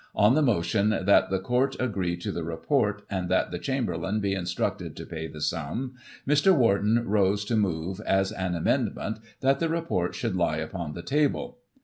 On the motion " that the Court agree to the report, and that the Chamberlain be in structed to pay the sum," Mr. Warton rose to move, as an amendment, that the report should lie upon the table.